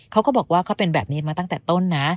เขาก็บอกว่าเขาเป็นแบบนี้มาตั้งแต่ต้นนะ